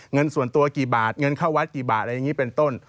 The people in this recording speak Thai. เงินส่วนตัวกี่บาทเงินเข้าวัดกี่บาทอะไรอย่างนี้เป็นต้น